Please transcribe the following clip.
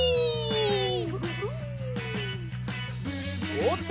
おおっと！